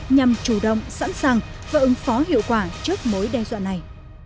nhằm chủ động sẵn sàng và ứng phó hiệu quả trước mối đe dọa này